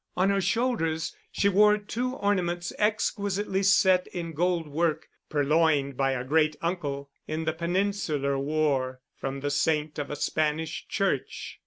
On her shoulders she wore two ornaments exquisitely set in gold work, purloined by a great uncle in the Peninsular War from the saint of a Spanish church.